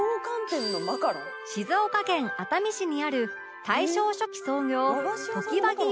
静岡県熱海市にある大正初期創業常盤木羊羹店